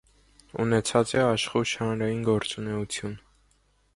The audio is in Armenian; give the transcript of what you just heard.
Ունեցած է աշխոյժ հանրային գործունէութիւն։